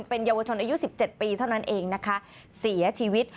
เป็นเยาวชนอายุ๑๗ปีเท่านั้นเองนะคะเสียชีวิต